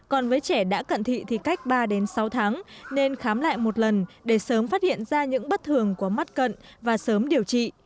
còn với trẻ đã cận thị thì cách ba đến sáu tháng nên khám lại một lần để sớm phát hiện ra những bất thường của mắt cận và sớm điều trị